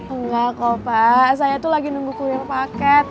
enggak kok pak saya itu lagi nunggu kuliah paket